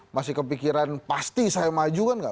masih kepikiran pasti saya maju kan gak